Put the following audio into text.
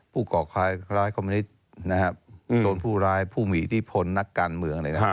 ภูเขาขาการไร้คมมิตรจนภูร้ายภูมิที่พ้นนักการเมืองอย่างต่าง